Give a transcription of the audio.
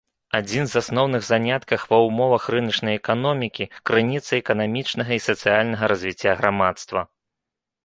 Адзін з асноўных заняткаў ва ўмовах рыначнай эканомікі, крыніца эканамічнага і сацыяльнага развіцця грамадства.